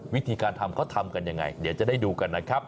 วิธีการทำเขาทำกันยังไงเดี๋ยวจะได้ดูกันนะครับ